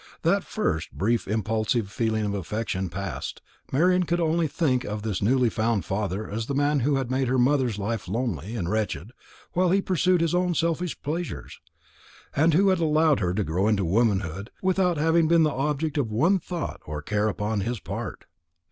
That first brief impulsive feeling of affection past, Marian could only think of this newly found father as the man who had made her mother's life lonely and wretched while he pursued his own selfish pleasures; and who had allowed her to grow to womanhood without having been the object of one thought or care upon his part.